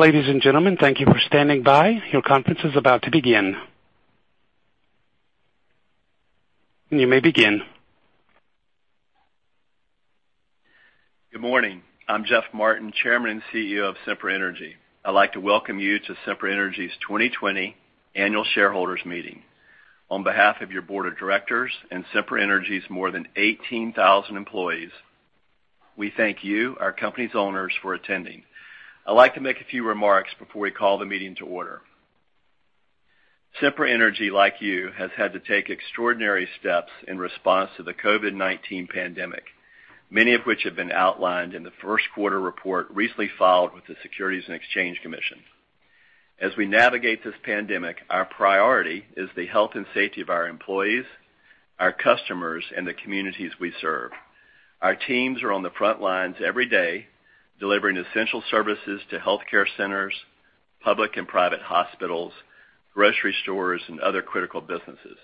Ladies and gentlemen, thank you for standing by. Your conference is about to begin. You may begin. Good morning. I'm Jeff Martin, Chairman and CEO of Sempra Energy. I'd like to welcome you to Sempra Energy's 2020 annual shareholders meeting. On behalf of your Board of Directors and Sempra Energy's more than 18,000 employees, we thank you, our company's owners, for attending. I'd like to make a few remarks before we call the meeting to order. Sempra Energy, like you, has had to take extraordinary steps in response to the COVID-19 pandemic, many of which have been outlined in the first quarter report recently filed with the Securities and Exchange Commission. As we navigate this pandemic, our priority is the health and safety of our employees, our customers, and the communities we serve. Our teams are on the front lines every day, delivering essential services to healthcare centers, public and private hospitals, grocery stores, and other critical businesses.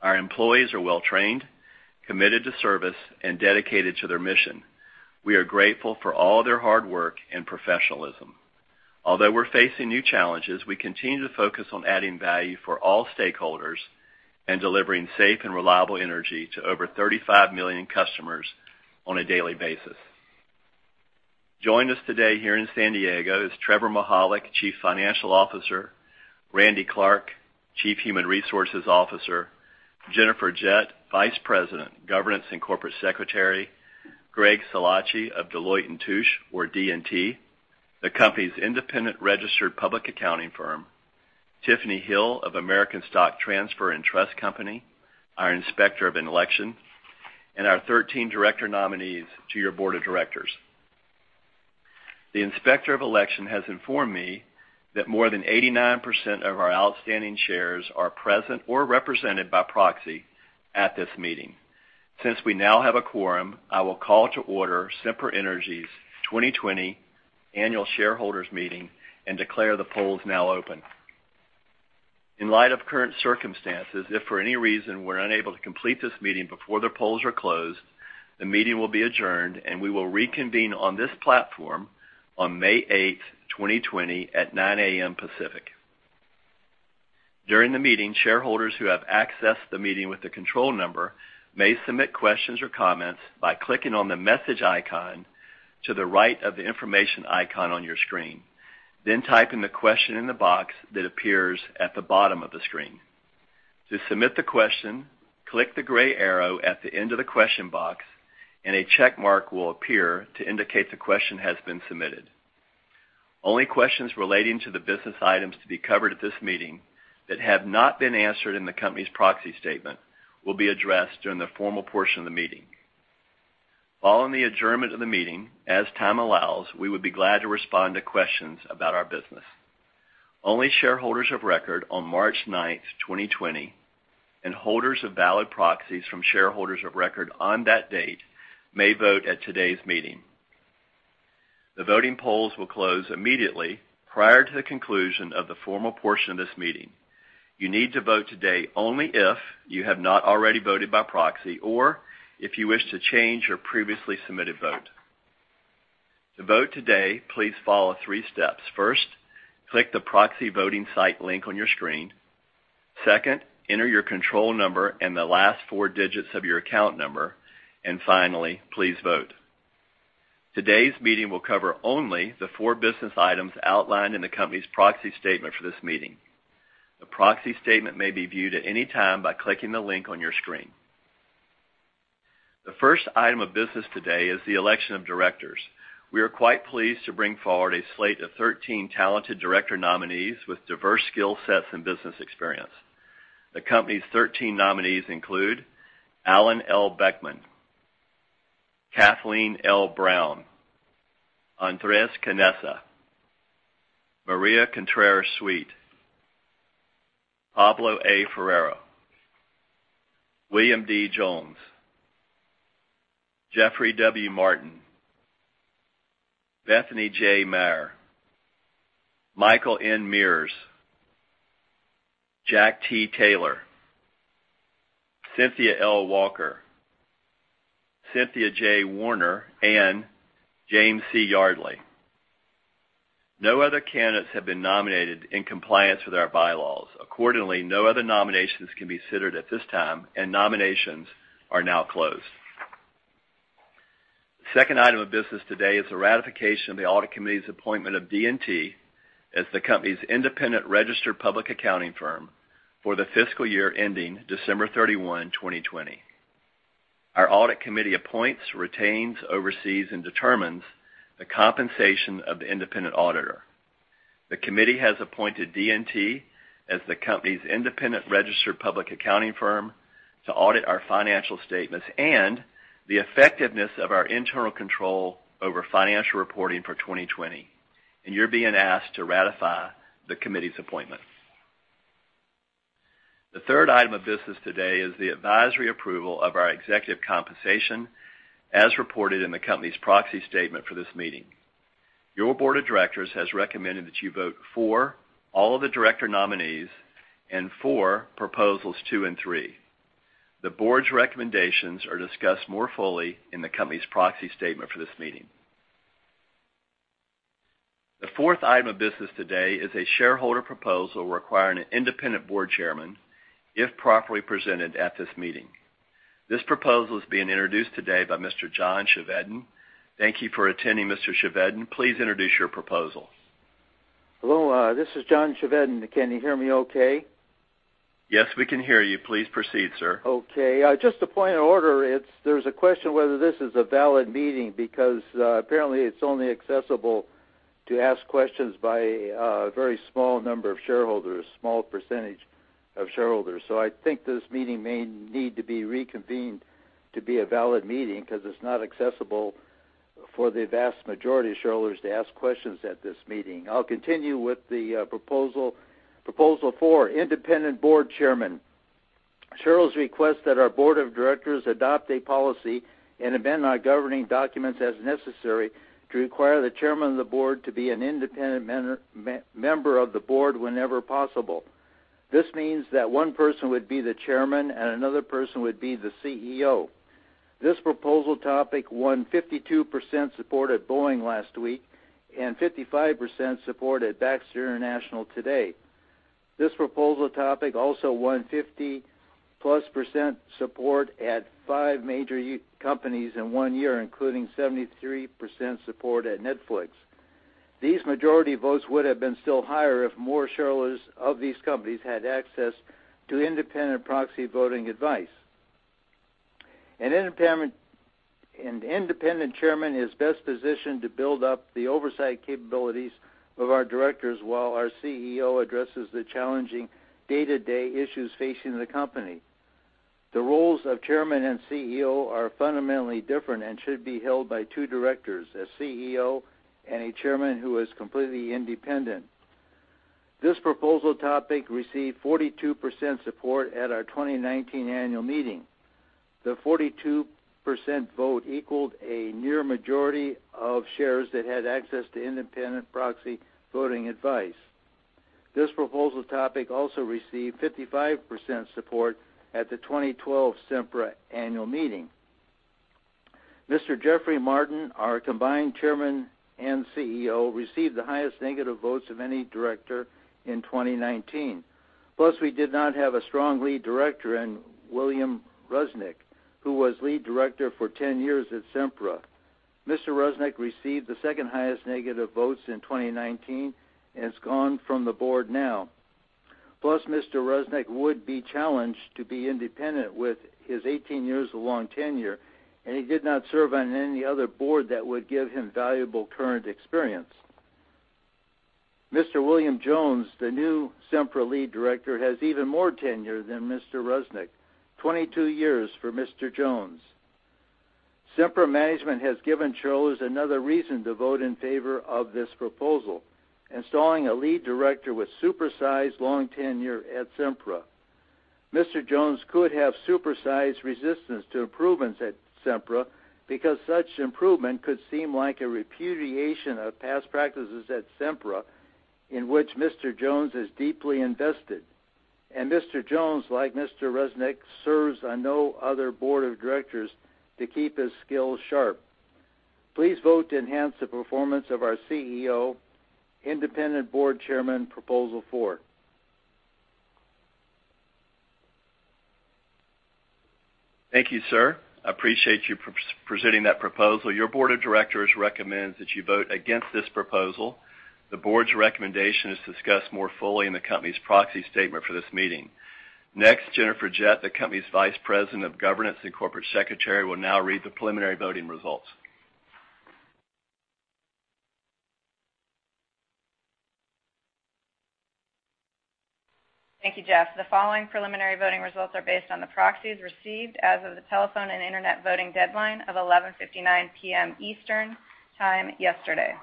Our employees are well-trained, committed to service, and dedicated to their mission. We are grateful for all their hard work and professionalism. Although we're facing new challenges, we continue to focus on adding value for all stakeholders and delivering safe and reliable energy to over 35 million customers on a daily basis. Joining us today here in San Diego is Trevor Mihalik, Chief Financial Officer, Randy Clark, Chief Human Resources Officer, Jennifer Jett, Vice President, Governance and Corporate Secretary, Greg Seelagy of Deloitte & Touche, or D&T, the company's independent registered public accounting firm, Tiffany Hill of American Stock Transfer & Trust Company, our Inspector of Election, and our 13 director nominees to your board of directors. The Inspector of Election has informed me that more than 89% of our outstanding shares are present or represented by proxy at this meeting. We now have a quorum, I will call to order Sempra Energy's 2020 annual shareholders meeting and declare the polls now open. In light of current circumstances, if for any reason we're unable to complete this meeting before the polls are closed, the meeting will be adjourned, and we will reconvene on this platform on May 8, 2020, at 9:00 A.M. Pacific. During the meeting, shareholders who have accessed the meeting with the control number may submit questions or comments by clicking on the message icon to the right of the information icon on your screen. Type in the question in the box that appears at the bottom of the screen. To submit the question, click the gray arrow at the end of the question box, and a check mark will appear to indicate the question has been submitted. Only questions relating to the business items to be covered at this meeting that have not been answered in the company's proxy statement will be addressed during the formal portion of the meeting. Following the adjournment of the meeting, as time allows, we would be glad to respond to questions about our business. Only shareholders of record on March 9th, 2020, and holders of valid proxies from shareholders of record on that date may vote at today's meeting. The voting polls will close immediately prior to the conclusion of the formal portion of this meeting. You need to vote today only if you have not already voted by proxy or if you wish to change your previously submitted vote. To vote today, please follow three steps. First, click the proxy voting site link on your screen. Second, enter your control number and the last four digits of your account number. Finally, please vote. Today's meeting will cover only the four business items outlined in the company's proxy statement for this meeting. The proxy statement may be viewed at any time by clicking the link on your screen. The first item of business today is the election of directors. We are quite pleased to bring forward a slate of 13 talented director nominees with diverse skill sets and business experience. The company's 13 nominees include Alan L. Boeckmann, Kathleen L. Brown, Andrés Conesa, Maria Contreras-Sweet, Pablo A. Ferrero, William D. Jones, Jeffrey W. Martin, Bethany J. Mayer, Michael N. Mears, Jack T. Taylor, Cynthia L. Walker, Cynthia J. Warner, and James C. Yardley. No other candidates have been nominated in compliance with our bylaws. Accordingly, no other nominations can be considered at this time, and nominations are now closed. The second item of business today is the ratification of the Audit Committee's appointment of D&T as the company's independent registered public accounting firm for the fiscal year ending December 31, 2020. Our Audit Committee appoints, retains, oversees, and determines the compensation of the independent auditor. The committee has appointed D&T as the company's independent registered public accounting firm to audit our financial statements and the effectiveness of our internal control over financial reporting for 2020, and you're being asked to ratify the committee's appointment. The third item of business today is the advisory approval of our executive compensation as reported in the company's proxy statement for this meeting. Your board of directors has recommended that you vote for all of the director nominees and for Proposals two and three. The board's recommendations are discussed more fully in the company's proxy statement for this meeting. The fourth item of business today is a shareholder proposal requiring an independent board chairman, if properly presented at this meeting. This proposal is being introduced today by Mr. John Chevedden. Thank you for attending, Mr. Chevedden. Please introduce your proposal. Hello, this is John Chevedden. Can you hear me okay? Yes, we can hear you. Please proceed, sir. Okay. Just a point of order. There's a question whether this is a valid meeting because apparently it's only accessible to ask questions by a very small number of shareholders, small percentage of shareholders. I think this meeting may need to be reconvened to be a valid meeting because it's not accessible for the vast majority of shareholders to ask questions at this meeting. I'll continue with the proposal four, independent board chairman. Shareholders request that our board of directors adopt a policy and amend our governing documents as necessary to require the chairman of the board to be an independent member of the board whenever possible. This means that one person would be the chairman and another person would be the CEO. This proposal topic won 52% support at Boeing last week and 55% support at Baxter International today. This proposal topic also won 50%+ support at five major companies in one year, including 73% support at Netflix. These majority votes would have been still higher if more shareholders of these companies had access to independent proxy voting advice. An independent chairman is best positioned to build up the oversight capabilities of our directors while our CEO addresses the challenging day-to-day issues facing the company. The roles of chairman and CEO are fundamentally different and should be held by two directors, a CEO, and a chairman who is completely independent. This proposal topic received 42% support at our 2019 annual meeting. The 42% vote equaled a near majority of shares that had access to independent proxy voting advice. This proposal topic also received 55% support at the 2012 Sempra annual meeting. Mr. Jeffrey Martin, our combined Chairman and CEO, received the highest negative votes of any director in 2019. We did not have a strong Lead Director in William Rusnack, who was Lead Director for 10 years at Sempra. Mr. Rusnack received the second highest negative votes in 2019 and is gone from the board now. Mr. Rusnack would be challenged to be independent with his 18 years of long tenure, and he did not serve on any other board that would give him valuable current experience. Mr. William Jones, the new Sempra Lead Director, has even more tenure than Mr. Rusnack, 22 years for Mr. Jones. Sempra management has given shareholders another reason to vote in favor of this proposal, installing a Lead Director with super-sized long tenure at Sempra. Mr. Jones could have super-sized resistance to improvements at Sempra because such improvement could seem like a repudiation of past practices at Sempra, in which Mr. Jones is deeply invested. Mr. Jones, like Mr. Rusnack, serves on no other board of directors to keep his skills sharp. Please vote to enhance the performance of our CEO independent Board Chairman proposal four. Thank you, sir. I appreciate you presenting that proposal. Your Board of Directors recommends that you vote against this proposal. The board's recommendation is discussed more fully in the company's proxy statement for this meeting. Next, Jennifer Jett, the company's Vice President of Governance and Corporate Secretary, will now read the preliminary voting results. Thank you, Jeff. The following preliminary voting results are based on the proxies received as of the telephone and internet voting deadline of 11:59 P.M. Eastern Time yesterday.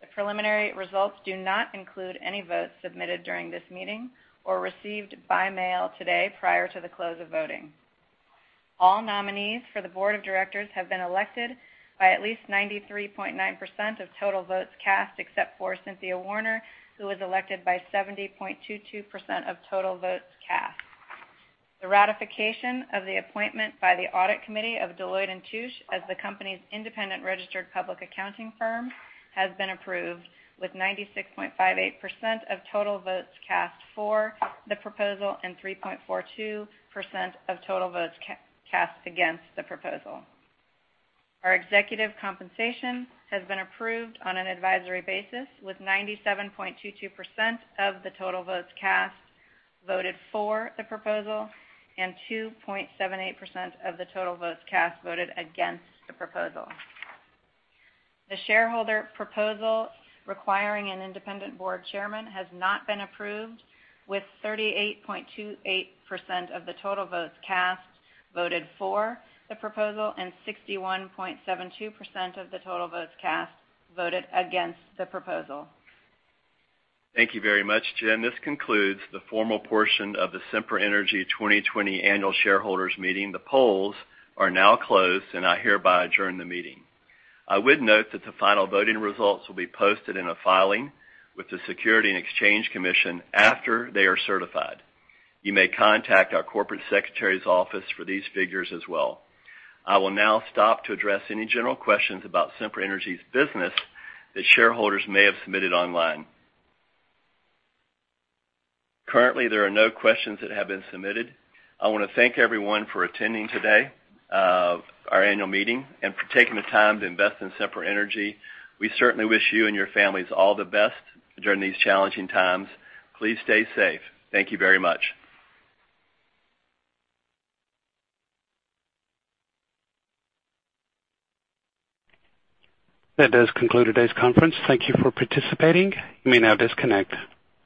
The preliminary results do not include any votes submitted during this meeting or received by mail today prior to the close of voting. All nominees for the board of directors have been elected by at least 93.9% of total votes cast, except for Cynthia Warner, who was elected by 70.22% of total votes cast. The ratification of the appointment by the Audit Committee of Deloitte & Touche as the company's independent registered public accounting firm has been approved with 96.58% of total votes cast for the proposal and 3.42% of total votes cast against the proposal. Our executive compensation has been approved on an advisory basis with 97.22% of the total votes cast voted for the proposal and 2.78% of the total votes cast voted against the proposal. The shareholder proposal requiring an independent board chairman has not been approved with 38.28% of the total votes cast voted for the proposal and 61.72% of the total votes cast voted against the proposal. Thank you very much, Jen. This concludes the formal portion of the Sempra Energy 2020 Annual Shareholders Meeting. The polls are now closed, and I hereby adjourn the meeting. I would note that the final voting results will be posted in a filing with the Securities and Exchange Commission after they are certified. You may contact our Corporate Secretary's office for these figures as well. I will now stop to address any general questions about Sempra Energy's business that shareholders may have submitted online. Currently, there are no questions that have been submitted. I want to thank everyone for attending today, our annual meeting, and for taking the time to invest in Sempra Energy. We certainly wish you and your families all the best during these challenging times. Please stay safe. Thank you very much. That does conclude today's conference. Thank you for participating. You may now disconnect.